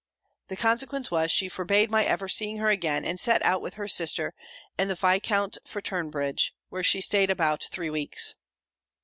The consequence was, she forbad my ever seeing her again, and set out with her sister and the Viscount for Tunbridge, where she staid about three weeks.